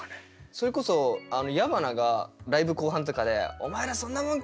それこそ矢花がライブ後半とかで「お前らそんなもんか！